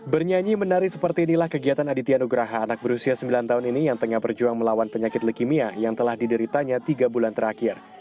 bernyanyi menari seperti inilah kegiatan aditya nugraha anak berusia sembilan tahun ini yang tengah berjuang melawan penyakit leukemia yang telah dideritanya tiga bulan terakhir